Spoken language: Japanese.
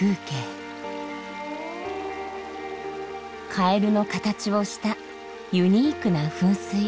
カエルの形をしたユニークな噴水。